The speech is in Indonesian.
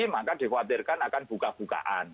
maka dikhawatirkan akan buka bukaan